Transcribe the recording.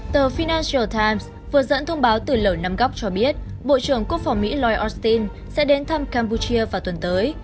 tờ vinasual times vừa dẫn thông báo từ lầu năm góc cho biết bộ trưởng quốc phòng mỹ lloyd austin sẽ đến thăm campuchia vào tuần tới